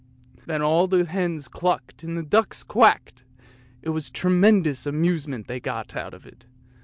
Then all the hens clucked and the ducks quacked; it was tremendous the amusement they got out of it.